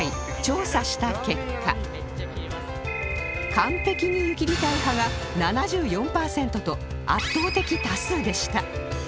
完璧に湯切りたい派が７４パーセントと圧倒的多数でした